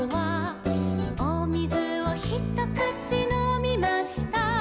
「おみずをひとくちのみました」